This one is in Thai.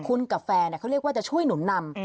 คุณกับแฟนเขาเรียกว่าจะช่วยหนุนนำ